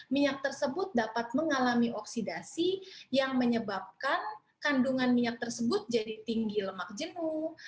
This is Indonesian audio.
minyak tersebut dapat mengalami oksidasi yang menyebabkan kandungan minyak tersebut jadi tinggi lemak jenuh